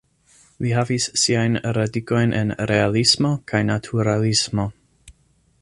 Li havis siajn radikojn en Realismo kaj Naturalismo.